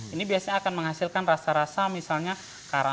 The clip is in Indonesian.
ini biasanya akan menghasilkan rasa rasa misalnya karang